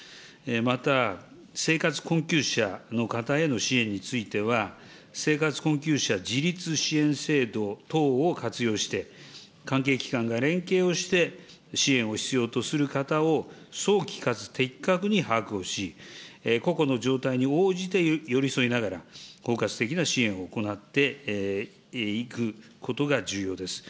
また、生活困窮者の方への支援については、生活困窮者自立支援制度等を活用して、関係機関が連携をして、支援を必要とする方は、早期かつ的確に把握をし、個々の状態に応じて寄り添いながら、包括的な支援を行っていくことが重要です。